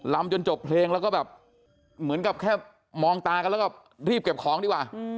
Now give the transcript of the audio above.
จนจบเพลงแล้วก็แบบเหมือนกับแค่มองตากันแล้วก็รีบเก็บของดีกว่า